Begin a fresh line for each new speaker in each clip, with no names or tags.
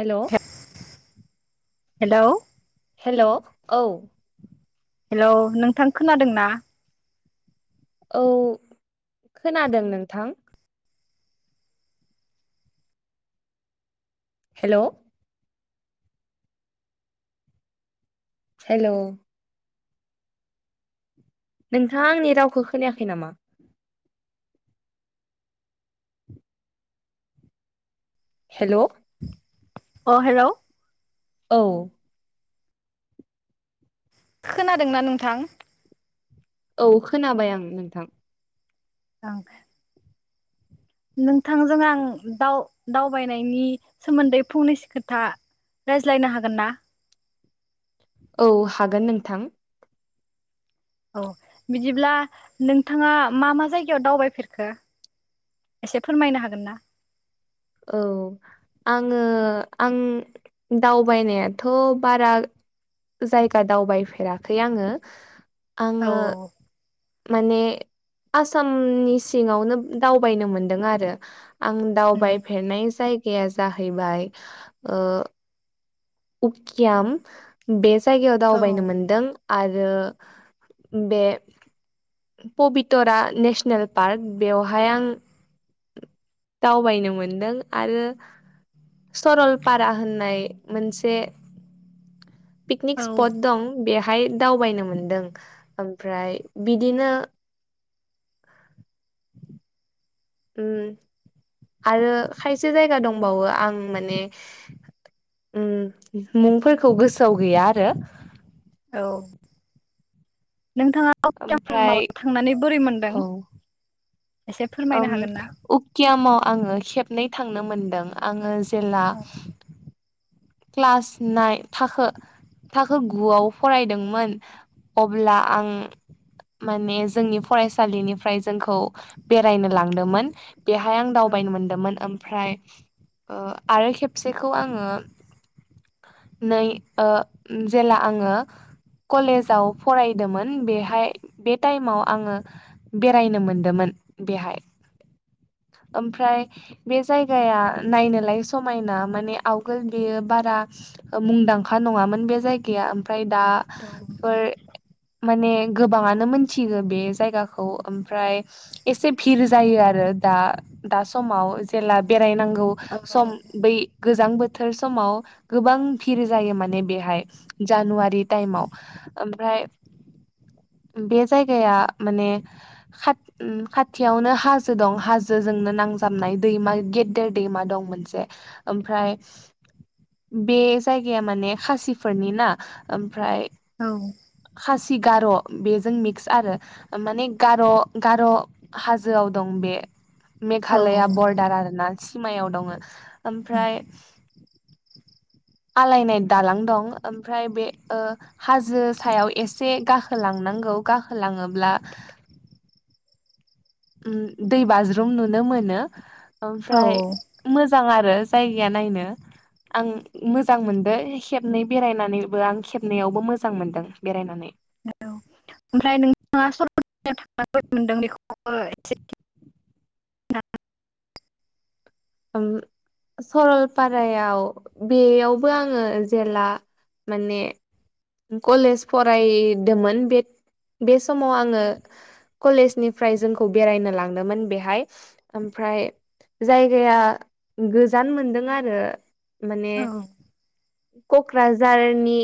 हेल'
hello
hello औ
hello नोंथां खोनादों ना
औ खोनादों नोंथां हेल' हेल' नोंथाङा आंनि रावखौ खोनायाखै नामा हेल' औ
अ हेल'
औ
खोनादोंना नोंथां
औ खोनाबाय आं नोंथां
अ नोंथांजों आं दावबायनायनि सोमोन्दै फंनैसो खोथा रायज्लायनो हागोन ना
औ हागोन नोंथां
औ बिदिब्ला नोंथाङा मा मा जायगायाव दावबायफेरखो एसे फोरमायनो हागोन ना
औ आङो आं दावबायनायाथ' बारा जायगा दावबायफेराखै आङो
औ
आङो माने आसामनि सिङावनो दावबायनो मोनदों आरो आं दावबायफेरनाय जायगाया जाहैबाय उकियाम बे जायगायाव
औ
दावबायनो मोनदों आरो बे पबितरा नेसनेल पार्क बेवहाय आं दावबायनो मोनदों आरो सरलपारा होननाय मोनसे पिकनिक
औ
स्पट दं बे हाय दावबायनो मोनदों ओमफ्राय बिदिनो
[inaudible]
उम आरो खायसे जायगा दंबावो आं माने उ मुंफोरखौ गोसोआव गैया आरो
औ नोंथाङा‌ उकियामाव
ओमफ्राय
थांनानै बोरै मोनदों एसे फोरमायनो
ओम
हागोन ना?
उकियामाव आङो खेबनै थांनो मोनदों आङो जेला
औ
क्लास नायेन थाखो थाखो गुआव फरायदोंमोन अब्ला आं माने जोंनि फरायसालिनिफ्राय जोंखौ बेरायनो लांदोंमोन बेहाय आं
औ
दावबायनो मोनदोंमोन ओमफ्राय आरो खेबसेखौ आङो
[inaudible]
नै जेला आङो कलेजाव फरायदोंमोन बेहाय बे टाइमाव आङो बेरायनो मोनदोंमोन बेहाय
[inaudible]
ओमफ्राय बे जायगाया नायनोलाय समायना माने आवगोल बेयो बारा मुंदांखा नङामोन बे जायगाया ओमफ्राय
औ
दाफोर माने गोबाङानो मोनथियो बे जायगाखौ ओमफ्राय एसे भिर जायो आरो दा दा समाव जेला बेरायनांगौ
औ
सम बै गोजां बोथोर समाव गोबां फिर जायो माने बेहाय जानुवारि टाइमाव ओमफ्राय
[inaudible]
बे जायगाया माने खा खाथियावनो हाजो दं हाजो जोंनो नांगौ नाय गेदेर दैमा दं मोन म बे जायगाया माने खासिफोरनि ना ओमफ्राय
औ
खासि गार' बेजों मिक्स आरो माने गार' गार' हाजोआव दं बे मेघालया बरदार आरो ना सिमायाव दङ ओमफ्राय
[inaudible]
आलायनाय दालां दं ओमफ्राय बे हाजो सायाव एसे गाखोलांनां गाखोलाङोब्ला
[inaudible]
दै बाज्रुम नुनो मोनो
औ
ओमफ्राय मोजां आरो आरो जायगाया नायनो आं मोजां मोनदों खेबनै बेरायनानैबो आं खेबनैयावबो मोजां मोनदों बेरायनानै
औ ओमफ्राय नोंथाङा सर थां मोनदों बेखौ एसे
सरलपारायाव बेयावबो आङो जेला माने कलेज फरायदोंमोन बे बे समाव आङो कलेज निफ्राय जोंखौ बेरायनो लांदोंमोन बेहाय ओमफ्राय जाय जाया गोजान मोनदों आरो माने
औ
क'क्राझारनि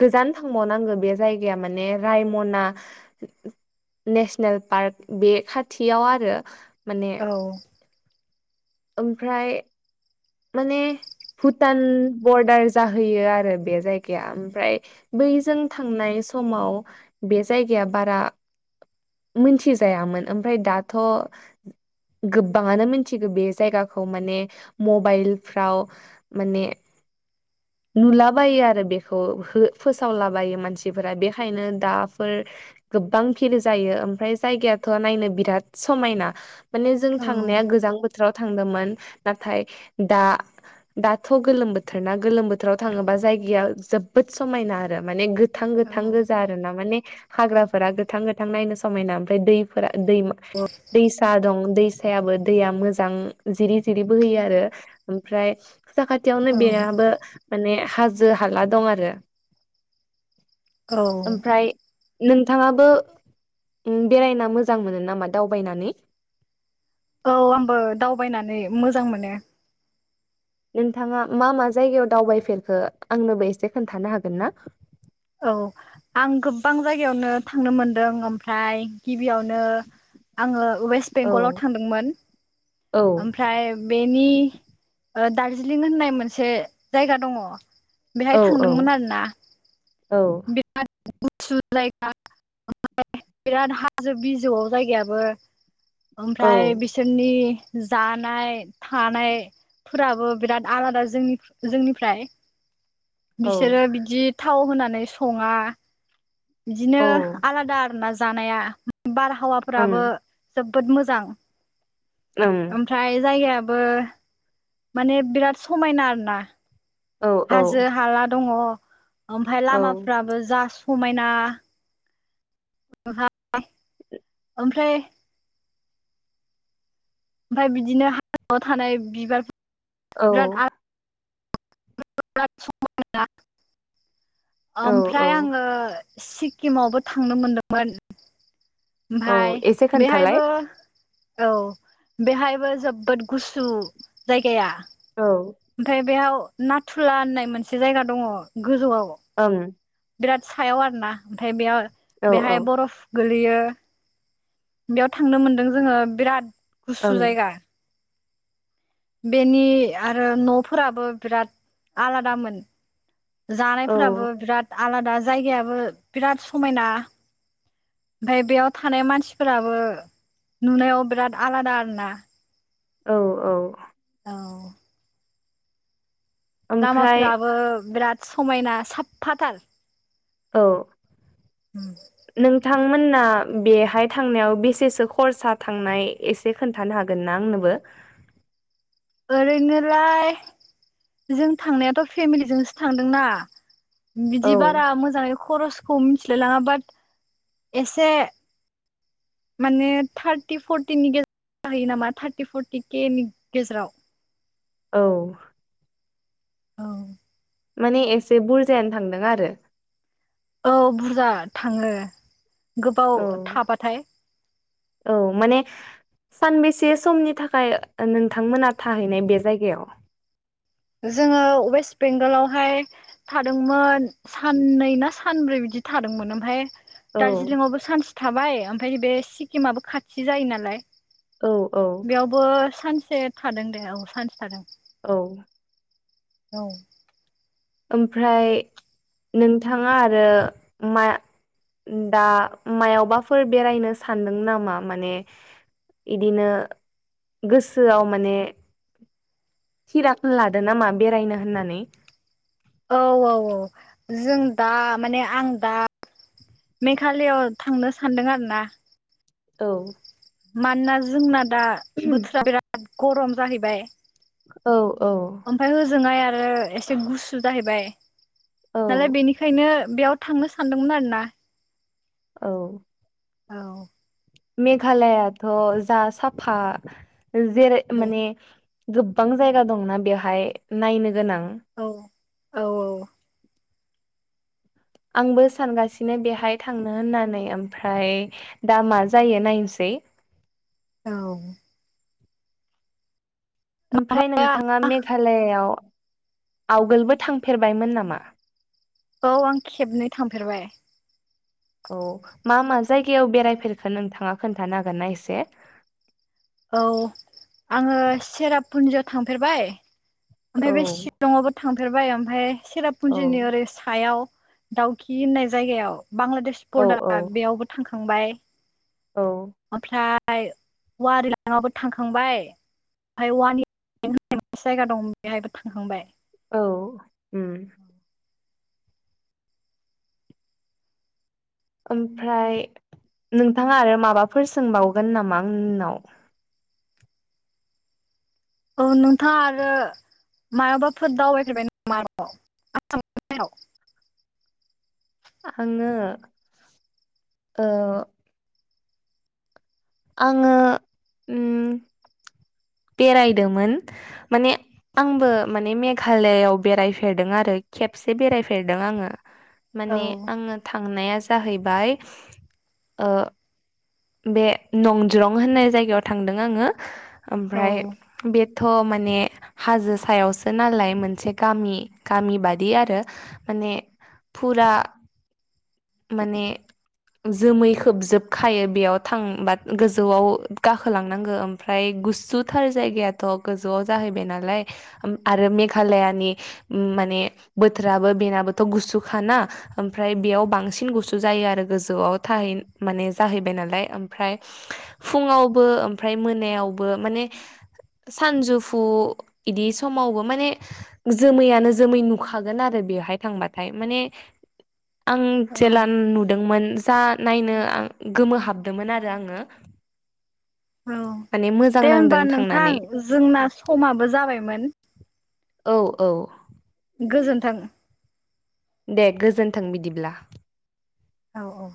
गोजान थांबावनांगौ बे जायगाया माने रायमना नेसनेल पार्क बे खाथियाव आरो माने
औ
ओमफ्राय माने भुटान बरदार जाहैयो आरो बे जायगाया ओमफ्राय बैजों थांनाय समाव बे जायगाया बारा मिथिजायामोन ओमफ्राय दाथ' गोबाङानो मिथिगौ बे जायगाखौ माने मबाइलफ्राव माने
[inaudible]
नुलाबायो आरो बेखौ हो फोसावलाबायो मानसिफोरा बेखायनो दाफोर गोबां भिर जायो ओमफ्राय जायगायाथ' नायनो बिराद समायना माने जों
औ
थांनाया गोजां बोथोर बोथोराव थांदोंमोन नाथाय दा दाथ' गोलोम बोथोर ना गोलोम बोथोराव थाङोबा जायगाया जोबोद समायना आरो माने गोथां
औ
गोथां गोजा आरो ना माने हाग्राफोरा गोथां गोथां नायनो समायना ओमफ्राय दैफोरा दैमा दैसा दं दैसायाबो दैया मोजां मोजां जिरि जिरि बोहैयो आरो ओमफ्राय साखाथियावनो बेनाबो माने हाजो हाला दं आरो
औ
ओमफ्राय नोंथाङाबो बेरायना मोजां मोनो नामा दावबायनानै
औ आंबो दावबायनानै मोजां मोनो
नोंथाङा मा मा जायगायाव दावबायफेरखो आंनोबो एसे खोन्थानो हागोन ना
औ आं गोबां जायगायावनो थांनो मोनदों ओमफ्राय गिबियावनो आङो वेस्ट
औ
बेंगलाव थांदोंमोन
औ
ओमफ्राय बेनि दारजिलिं होननाय मोनसे जायगा दङ बेहाय
औ औ
थांदोंमोन आरोना
औ
बिराद गुसु जायगा ओमफ्राय बिराद हाजो बिजौआव जायगायाबो
औ
ओमफ्राय बिसोरनि जानाय थानाय फोराबो बिराद आलादा जोंनि जोंनिफ्राय
औ
बिसोरो बिदि थाव होनानै सङा बिदिनो आलादा आरोना जानाया बारहावाफोराबो
ओं
जोब बोद मोजां
ओं
ओमफ्राय जायगायाबो माने बिराद समायना आरो ना
औ औ
हाजो हाला दङ ओमफ्राय लामाफ्राबो जा समायना [unintelligible] ओमफ्राय ओमफाय बिदिनो हाजोआव थानाय बिबारफोर
औ
फोरा समायना
औ औ
ओमफ्राय आङो सिक्किमावबो थांनो मोनदोंमोन
औ
ओमफाय
एसे खोन्थालाय
बेहायबो औ बेहायबो जोबोद गुसु जायगाया
औ
ओमफ्राय बेयाव नाथुला होननाय मोनसे जायगा दङ गोजौआव
ओं
बिराद सायाव आरोना ओमफ्राय बेयाव
औ औ
बेहाय बरफ गोलैयो बेयाव थांनो मोनदों जोङो बिराद
ओं
गुसु जायगा बेनि आरो न'फोराबो बिराद आलादामोन
औ
जानायफोराबो बिराद आलादा जायगायाबो बिराद समायना ओमफ्राय बेयाव थानाय मानसिफोराबो नुनायाव बिराद आलादा आरोना
औ औ
औ
ओमफ्राय
लामाफ्राबो बिराद समायना साफाथार
औ
[inaudible]
नोंथां मोनना बेहाय थांनायाव बेसेसो खरसा थांनाय एसे खोनथानो हागोन ना आंनोबो [inaudible]
ओरैनोलाय जों थांनायाथ' फेमिलिजोंसो थांदोंना
औ
बिदि बारा मोजाङै खरसखौ मिथिलाय लाङा बाट एसे माने थारटि फरटिनि गेजेराव जाहैयो नामा थारटि फरटि के नि गेजेराव
औ
औ
माने एसे बुरजायानो थांदों आरो।
औ बुरजा थाङो। गोबाव
औ
थाबाथाय
औ माने सानबेसे समनि थाखाय नोंथांमोना थाहैनाय बे जायगायाव
जोङो वेस्ट बेंगलावहाय थादोंमोन साननै ना सानब्रै बिदि बिदि थादोंमोन। ओमफ्राय
औ
दार्जिलिंआवबो सानसे थाबाय ओमफ्राय बे सिक्किमाबो खाथि जायो नालाय।
औ औ
बेयावबो सानसे थादों दे औ सानसे थादों।
औ
औ
ओमफ्राय नोंथाङा आरो मा दा मायावबाफोर बेरायनो सानदों नामा माने इदिनो गोसोआव माने थिरांथा लादो नामा बेरायनो होननानै।
औ औ औ जों दा माने आं दा मेघालआव थांनो सान्दों आरो ना
औ
मानोना जोंना दा बोथोरा बिराद गरम जाहैबाय।
औ औ
ओमफ्राय होजोंहाय आरो एसे गुसु जाहैबाय
औ
नालाय। बेनिखायनो बेयाव थांनो सानदोंमोन आरो ना
औ
औ
मेघालयाथ' जा साफा जेरै माने गोबां जायगा दंना बेवहाय नायनो गोनां
औ औ औ
आंबो सानगासिनो बेहाय थांनो होननानै ओमफ्राय दा मा जायो नायनोसै।
औ
ओमफ्राय
माबाया
नोंथाङा मेघालयाआव आवगोलबो थांफेरबायमोन नामा?
औ आं खेबनै थांफेरबाय
औ मा मा जायगायाव बेरायफेरखो नोंथाङा खोन्थानो हागोन ना एसे
औ आङो सेरापुन्जिआव थांफेरबाय। ओमफ्राय
औ
बे शिलंआवबो थांफेरबाय ओमफफ्राय
औ
सिरापुन्जिनि ओरै सायाव दाउखि होननाय जायगायाव बांलादेश
औ
बरदारा
औ
बेयावबो थांखांबाय
औ
ओमफ्राय औवारि लाइङाबो थांखांबाय। ओमफाय ववान इयार होन मोनसे जायगा दं बेहायबो थांखांबाय
औ ओमफ्राय नोंथाङा आरो माबाफोर सोंबावगोन नामा आंनाव
ओ नोंथां आं आरो मायाबाफोर दावबायग्रोबाय न माराव आसाम
आङो आङो बेरायदोंमोन माने आंबो माने मेघालआव बेरायफेरदों आरो। खेबसे बेरायफेरदों आङो
औ
माने आङो थांनाया जाहैबाय। बे नंजरं होननाय जायगायाव थांदों आङो
औ
ओमफ्राय बे थ' माने हाजो सायावसो नालाय मोनसे गामि गामि बादि आरो। माने फुरा। माने। जोमै खोबजोबखायो बेयाव थांबा गोजौआव गाखोलांनांगौ ओमफ्राय। गुसुथार जायगायाथ' गोजौआव जाहैबाय नालाय आरो मेघालयानि माने बोथोराबो बेनाबोथ' गुसुखाना ओमफ्राय बेयाव बां सिन गुसु जायो आरो गोजौआव थाहै माने जाहैबाय नालाय ओमफ्राय फुङावबो। ओमफ्राय मोनायावबो माने। सानजौफु बिदि समावबो माने जोमैयानो जोमै नुखागोन आरो। यावहाय थांबाथाय माने आं।
औ
जेला नुदोंमोन जा नायनो गोमो हाबदोंमोन आरो आङो।
औ
माने मोजां
दे होमबा
नांदों
नोंथां
थांनानै
जोंना समाबो जाबायमोन।
औ औ।
गोजोनथों।
दे गोजोन्थों बिदिब्ला।
औ औ।